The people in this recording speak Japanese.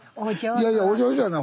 いやいやお上手じゃない。